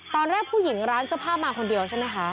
ตอนแรกผู้หญิงร้านเสื้อผ้ามาคนเดียวใช่ไหมคะ